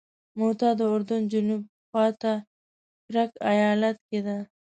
موته د اردن جنوب خواته کرک ایالت کې ده.